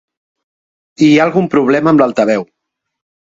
Hi ha algun problema amb l'altaveu.